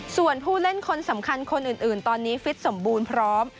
ส่วนผู้เล่นคนสำคัญคนอื่นตอนนี้ฟิตสมบูรณ์พร้อม